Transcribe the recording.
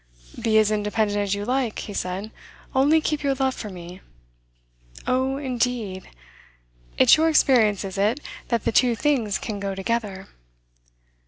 'Be as independent as you like,' he said; 'only keep your love for me.' 'Oh, indeed! It's your experience, is it, that the two things can go together?